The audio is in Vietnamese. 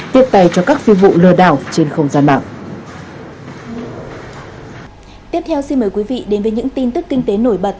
tiếp theo xin mời quý vị đến với những tin tức kinh tế nổi bật